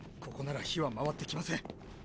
ここなら火は回ってきません！